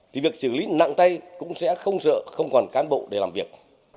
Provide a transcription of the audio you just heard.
thì việc xử lý nặng tay cũng sẽ không sợ không còn cán bộ để làm việc